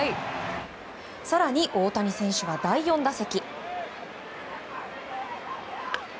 更に、大谷選手は第４打席。